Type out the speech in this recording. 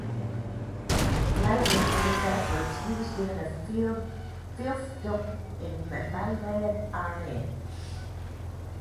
Later, for his efforts, he was given a fiefdom in mainland Iran.